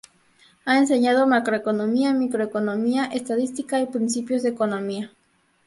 Ha enseñado macroeconomía, microeconomía, estadística y principios de economía.